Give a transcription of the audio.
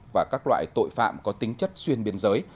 và các loại tội phạm có tính chất xuyên biên giới